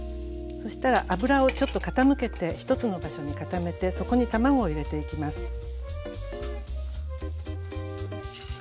そしたら油をちょっと傾けて一つの場所に固めてそこに卵を入れていきます。